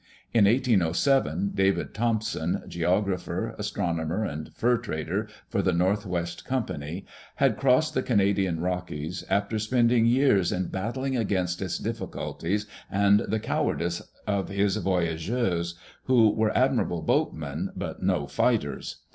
In 1807 David Thompson, geographer, astronomer, and fur trader for the North West Com pany, had crossed the Canadian Rockies, after spending years in bat tling against its difficulties and the cowardice of his voyageurs, who were admirable boatmen but no fighters.